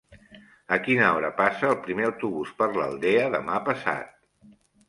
A quina hora passa el primer autobús per l'Aldea demà passat?